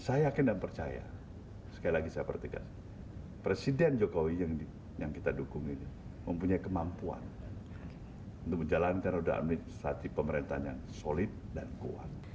saya yakin dan percaya sekali lagi saya perhatikan presiden jokowi yang kita dukung ini mempunyai kemampuan untuk menjalankan roda administratif pemerintahan yang solid dan kuat